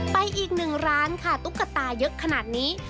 อีกหนึ่งร้านค่ะตุ๊กตาเยอะขนาดนี้